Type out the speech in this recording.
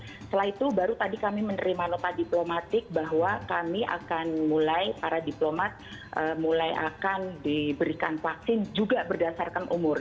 setelah itu baru tadi kami menerima nota diplomatik bahwa kami akan mulai para diplomat mulai akan diberikan vaksin juga berdasarkan umur